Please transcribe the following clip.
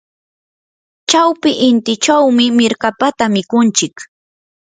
chawpi intichawmi mirkapata mikunchik.